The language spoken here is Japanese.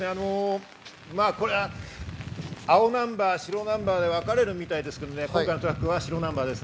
青ナンバー、白ナンバーで分かれるみたいですが、今回は白ナンバーです。